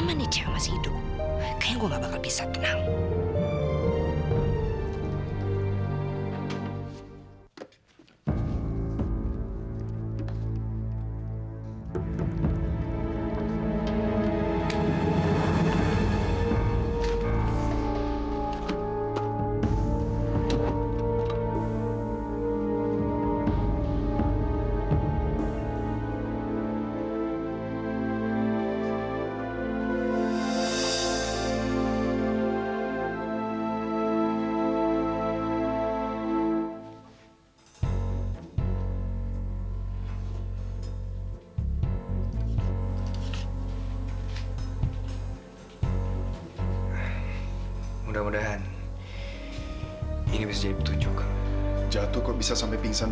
mama juga gak tau kok mia